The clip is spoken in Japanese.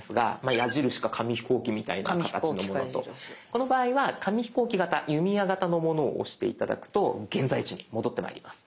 この場合は紙飛行機型弓矢型のものを押して頂くと現在地に戻ってまいります。